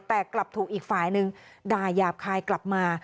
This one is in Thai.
แต่กลับถูกอีกฝ่ายหนึ่งด่ายาบคายกลับมา